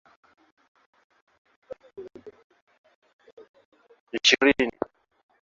ishirini na tisanchini Kenya tatu